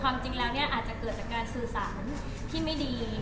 ความจริงแล้วเนี่ยอาจจะเกิดจากการสื่อสารที่ไม่ดี